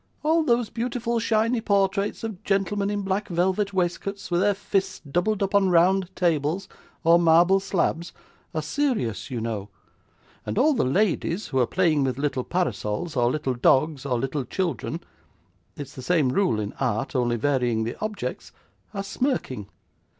All those beautiful shiny portraits of gentlemen in black velvet waistcoats, with their fists doubled up on round tables, or marble slabs, are serious, you know; and all the ladies who are playing with little parasols, or little dogs, or little children it's the same rule in art, only varying the objects are smirking.